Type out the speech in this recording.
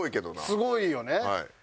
すごいよね。